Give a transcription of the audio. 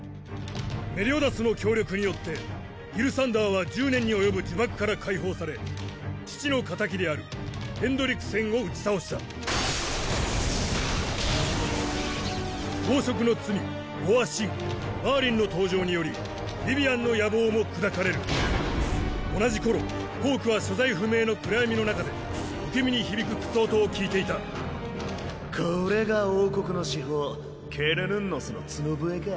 メリオダスの協力によってギルサンダーは１０年に及ぶ呪縛から解放され父の敵であるヘンドリクセンを打ち倒した暴食の罪暴食の罪マーリンの登場によりビビアンの野望も砕かれる同じころホークは所在不明の暗闇の中で不気味に響く靴音を聞いていたこれが王国の至宝「ケルヌンノスの角笛」か。